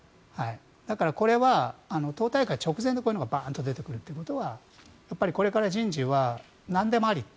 だから、これは党大会直前でこういうのがバンと出てくるということはこれから人事はなんでもあり。